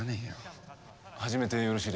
始めてよろしいでしょうか？